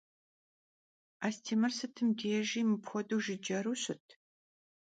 Astêmır sıtım dêjji mıpxuedeu jjıceru şıt?